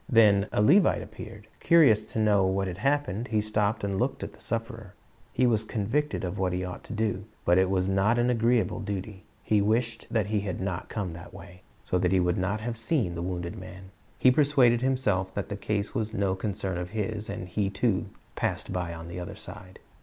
Then a Levite appeared. Curious to know what had happened, he stopped and looked at the sufferer. He was convicted of what he ought to do, but it was not an agreeable duty. He wished that he had not come that way, so that he would not have seen the wounded man. He persuaded himself that the case was no concern of his, and he too " passed by on the other side."